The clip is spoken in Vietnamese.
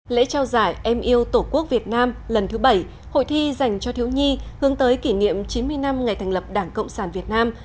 lễ trao giải em yêu tổ quốc việt nam lần thứ bảy hội thi dành cho thiếu nhi hướng tới kỷ niệm chín mươi năm ngày thành lập đảng cộng sản việt nam